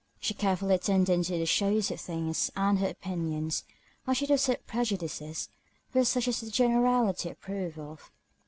She carefully attended to the shews of things, and her opinions, I should have said prejudices, were such as the generality approved of.